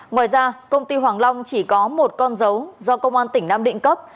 ngoài ra công ty hoàng long chỉ có một con dấu do công an tỉnh nam định cấp